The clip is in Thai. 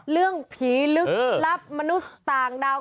เรื่องผีลึกลับมนุษย์ต่างดาว